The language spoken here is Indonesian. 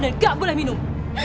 dan gak boleh minum